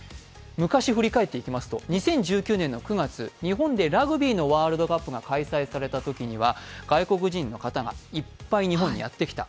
昔を振り返っていきますと、２０１９年９月、日本でラグビーのワールドカップが開催されたときには外国人の方がいっぱい日本にやってきた。